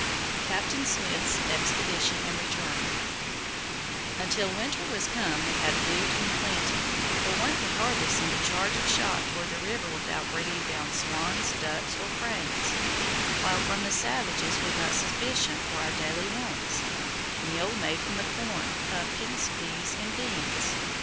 CAPTAIN SMITH'S EXPEDITION AND RETURN Until winter was come we had food in plenty, for one could hardly send a charge of shot toward the river without bringing down swans, ducks, or cranes, while from the savages we got sufficient for our daily wants, meal made from the corn, pumpkins, peas, and beans.